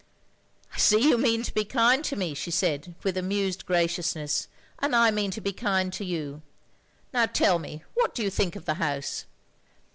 " I see you mean to be kind to me, " she said, with amused graciousness, "and I mean to be kind to you. Now tell me what you think of the house."